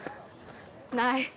「ない？」